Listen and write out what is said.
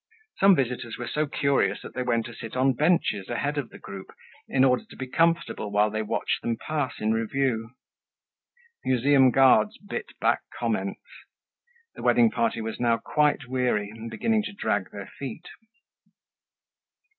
Some visitors were so curious that they went to sit on benches ahead of the group in order to be comfortable while they watched them pass in review. Museum guards bit back comments. The wedding party was now quite weary and beginning to drag their feet.